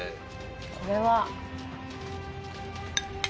これは。